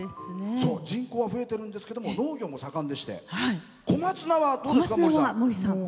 人口は増えてるんですけども農業も盛んでして小松菜は？